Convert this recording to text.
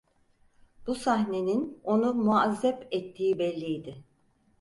Bu sahnenin onu muazzep ettiği belliydi.